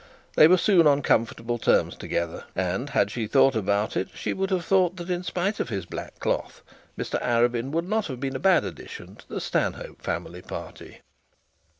They were soon on comfortable terms together; and had she thought about it, she would have thought that, in spite of his black cloth, Mr Arabin would not have been a bad addition to the Stanhope family party.